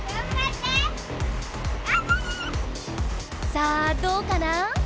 さあどうかな？